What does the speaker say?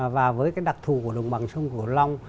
và với cái đặc thù của đồng bằng sông cổ long